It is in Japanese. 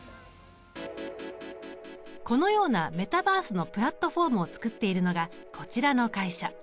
このようなメタバースのプラットフォームを作っているのがこちらの会社。